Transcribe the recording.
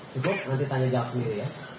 cukup nanti tanya jawab dulu ya